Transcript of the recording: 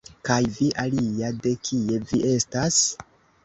Kaj vi, alia, de kie vi estas?